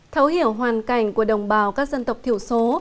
thấu hiểu hoàn cảnh của đồng bào các dân tộc thiểu số